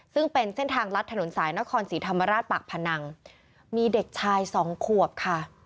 ซึ่งเป็นเส้นทางลัดถนนสายนครศรีธรรมราชปากพนังมีเด็กชายสองขวบค่ะ